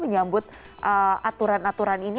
menyambut aturan aturan ini